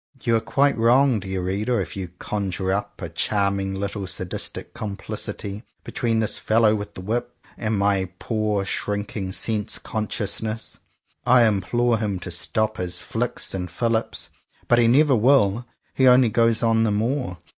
You are quite wrong, dear reader, if you conjure up a charming little Sadistic complicity between this fellow with the whip, and my poor shrinking sense con sciousness. I implore him to stop his flicks and fillips; but he never will; he only goes on the more.